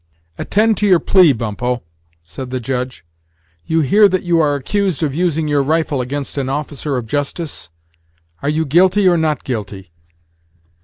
"Attend to your plea, Bumppo," said the Judge; "you hear that you are accused of using your rifle against an officer of justice? Are you guilty or not guilty?"